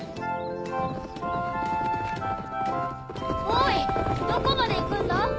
おいどこまでいくんだ？